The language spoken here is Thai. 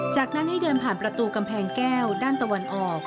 จากนั้นให้เดินผ่านประตูกำแพงแก้วด้านตะวันออก